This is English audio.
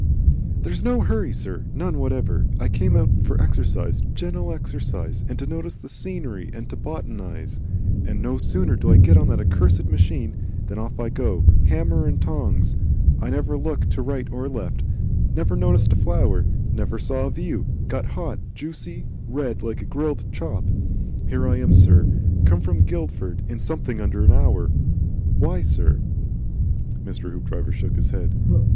"There's no hurry, sir, none whatever. I came out for exercise, gentle exercise, and to notice the scenery and to botanise. And no sooner do I get on the accursed machine, than off I go hammer and tongs; I never look to right or left, never notice a flower, never see a view, get hot, juicy, red, like a grilled chop. Here I am, sir. Come from Guildford in something under the hour. WHY, sir?" Mr. Hoopdriver shook his head.